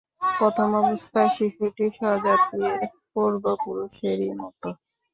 প্রথমাবস্থায় শিশুটি স্বজাতির পূর্বপুরুষেরই মত।